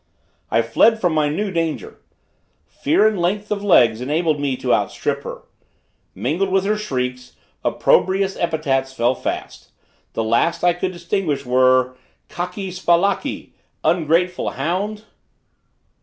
I fled from my new danger. Fear and length of legs enabled me to outstrip her. Mingled with her shrieks, opprobrious epithets fell fast; the last I could distinguish were: Kaki Spalaki: ungrateful hound!